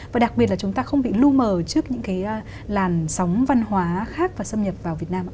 và đặc biệt là chúng ta không bị lưu mờ trước những cái làn sóng văn hóa khác và xâm nhập vào việt nam ạ